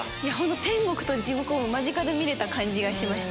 天国と地獄を間近で見れた感じがしました。